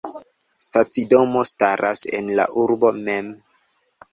Stacidomo staras en la urbo mem.